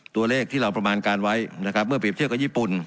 ตัวเลขที่เราประมาณการไว้นะครับเมื่อเปรียบเทียบกับญี่ปุ่น